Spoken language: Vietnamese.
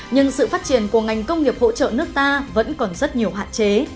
nhưng sự phát triển của ngành công nghiệp hỗ trợ nước ta vẫn còn rất nhiều hạn chế